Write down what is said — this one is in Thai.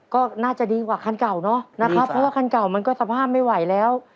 ก็น่าจะดีกว่าคันเก่าเนอะนะครับเพราะว่าคันเก่ามันก็สภาพไม่ไหวแล้ว